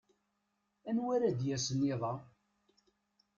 Anwa ara d-yasen iḍ-a?